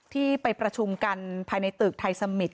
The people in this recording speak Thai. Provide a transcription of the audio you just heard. ที่ไปประชุมกันภายในตึกไทยสมิตร